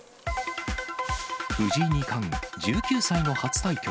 藤井二冠、１９歳の初対局。